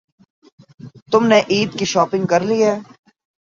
تم نے عید کی شاپنگ کر لی ہے؟